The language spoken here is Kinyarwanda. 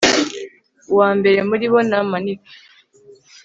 uwambere muri bo namanike